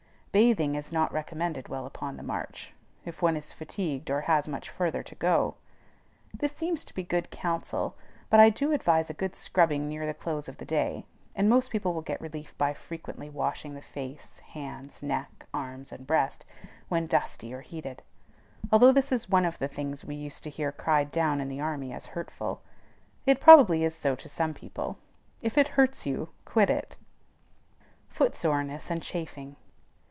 Bathing is not recommended while upon the march, if one is fatigued or has much farther to go. This seems to be good counsel, but I do advise a good scrubbing near the close of the day; and most people will get relief by frequently washing the face, hands, neck, arms, and breast, when dusty or heated, although this is one of the things we used to hear cried down in the army as hurtful. It probably is so to some people: if it hurts you, quit it. FOOT SORENESS AND CHAFING.